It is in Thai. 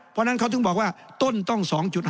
เพราะฉะนั้นเขาถึงบอกว่าต้นต้อง๒๕